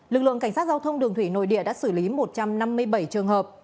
lực lượng cảnh sát giao thông đường thủy nội địa đã xử lý một trăm năm mươi bảy trường hợp